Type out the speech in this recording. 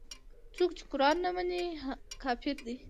څوک چې قران نه مني کافر دی.